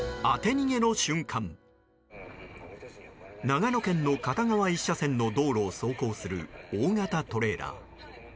長野県の片側１車線の道路を走行する大型トレーラー。